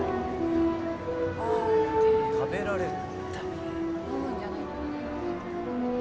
食べられる。